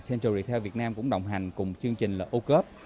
central retail việt nam cũng đồng hành cùng chương trình ô cốt